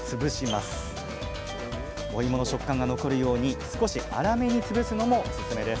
おいもの食感が残るように少し粗めに潰すのもおすすめです！